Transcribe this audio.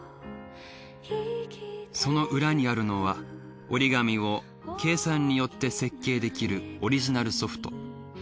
その裏にあるのは折り紙を計算によって設計できるオリジナルソフト。